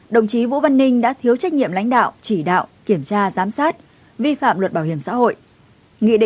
đồng chí vũ văn ninh đã thiếu trách nhiệm lãnh đạo chỉ đạo kiểm tra giám sát vi phạm luật bảo hiểm xã hội